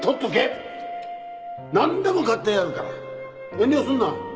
遠慮すんな。